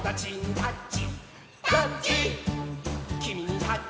「タッチ！」